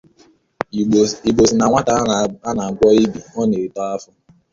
Igbo sị na nwata a na-agwọ ibì ọ na-eto afọ